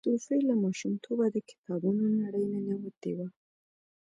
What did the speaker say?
صوفي له ماشومتوبه د کتابونو نړۍ ننوتې وه.